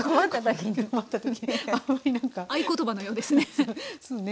合言葉のようですね！